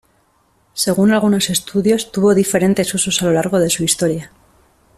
Según algunos estudios tuvo diferentes usos a lo largo de su historia.